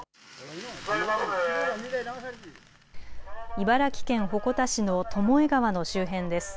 茨城県鉾田市の巴川の周辺です。